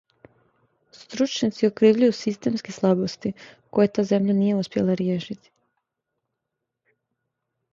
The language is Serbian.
"Стручњаци окривљују "системске слабости" које та земља није успјела ријешити."